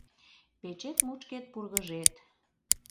Печет мучкет пургыжет.